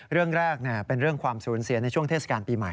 เรื่องแรกเป็นเรื่องความสูญเสียในช่วงเทศกาลปีใหม่